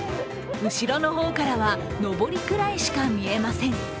後ろの方からは、のぼりくらいしか見えません。